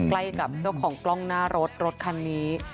ใกล้กับเจ้าของกล้องหน้ารถรถคันนี้